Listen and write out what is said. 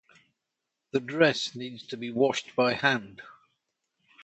The dress needs to be washed by hand.